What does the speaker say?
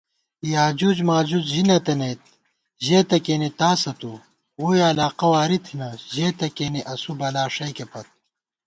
یاجوج ماجوج ژِی نہ تَنَئیت ژېتہ کېنےتاسہ تُو * ووئی علاقہ واری تھنہ ژېتہ کېنےاسُو بلا ݭَئیکےپت